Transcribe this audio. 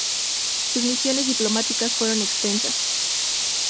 Sus misiones diplomáticas fueron extensas.